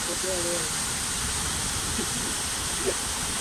Mabadiliko ya kisiasa nchini humo yameboresha biashara na mawasiliano